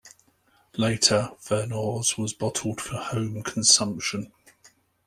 Later Vernors was bottled for home consumption.